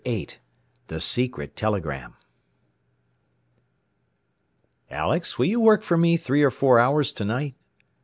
VIII THE SECRET TELEGRAM "Alex, will you work for me three or four hours to night?"